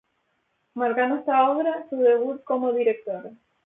Marcando esta obra su debut como directora.